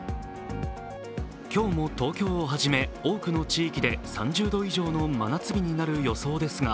今日も東京をはじめ多くの地域で３０度以上の真夏日になる予想ですが